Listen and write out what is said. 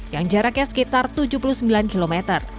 yang jaraknya sekitar tujuh puluh sembilan km